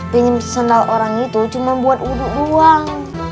tapi sendal orang itu cuma buat uduk doang